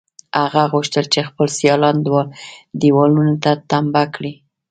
هغه غوښتل چې خپل سیالان دېوالونو ته تمبه کړي